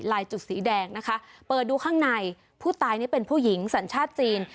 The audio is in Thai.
จุดสีแดงนะคะเปิดดูข้างในผู้ตายนี่เป็นผู้หญิงสัญชาติจีน